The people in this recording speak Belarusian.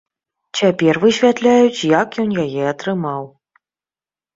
Цяпер высвятляюць, як ён яе атрымаў.